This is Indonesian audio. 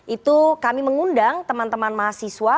itu kami mengundang teman teman mahasiswa